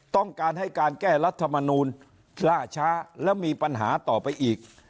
ต้องการให้การแก้รัฐมนูลล่าช้าแล้วมีปัญหาต่อไปอีก